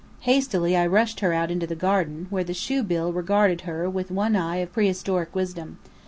Hastily I rushed her out into the garden, where the Shoebill regarded her with one eye of prehistoric wisdom.